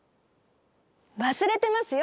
忘れてますよ